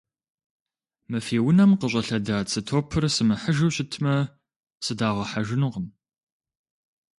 Мы фи унэм къыщӀэлъэда цы топыр сымыхьыжу щытмэ, сыдагъэхьэжынукъым.